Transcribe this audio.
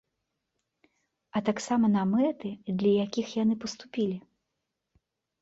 А таксама на мэты, для якіх яны паступілі.